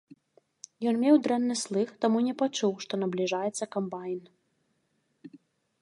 Ён меў дрэнны слых, таму не пачуў, што набліжаецца камбайн.